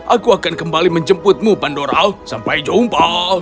aku akan kembali menjemputmu pandora sampai jumpa